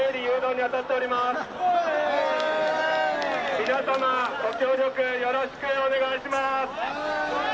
皆様、ご協力よろしくお願いします。